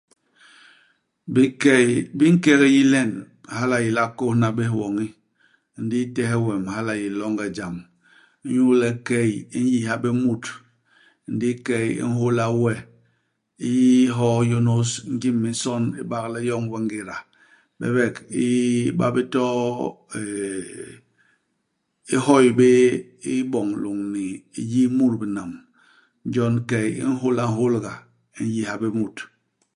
Bikey bi nkek yi len, hala a yé le a kôhna bés woñi. Ndi itehe wem, hala a yé longe i jam. Inyu le key i n'yiha bé mut. Ndi key i nhôla we ihoo yônôs ngim i minson i bak le i yoñ we ngéda ; bebek i ba bé to euh, i hoy bé iboñ lôñni yi i mut binam. Jon key i nhôla nhôlga, i n'yiha bé mut.